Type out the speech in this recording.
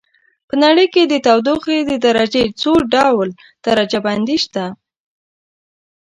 په نړۍ کې د تودوخې د درجې څو ډول درجه بندي شته.